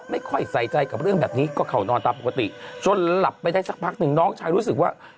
ไม่เคยยังไงอ่ะ